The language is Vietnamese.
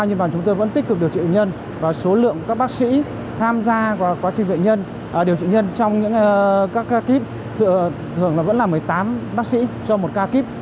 nhưng mà chúng tôi vẫn tích cực điều trị bệnh nhân và số lượng các bác sĩ tham gia vào quá trình bệnh nhân điều trị nhân trong các ca kíp thường là vẫn là một mươi tám bác sĩ cho một ca kíp